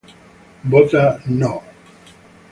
Vota SÍ"".